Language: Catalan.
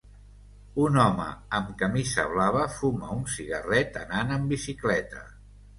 Un home amb camisa blava fuma un cigarret anant en bicicleta.